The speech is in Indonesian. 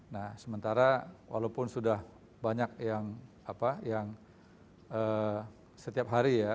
nah sementara walaupun sudah banyak yang setiap hari ya